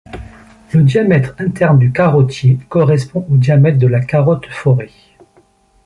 Le diamètre interne du carottier correspond au diamètre de la carotte forée.